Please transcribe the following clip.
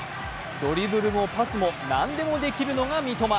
ドリブルもパスも何でもできるのが三笘。